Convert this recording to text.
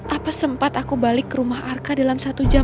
apa sempat aku balik ke rumah arka dalam satu jam